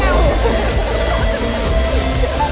ya gue seneng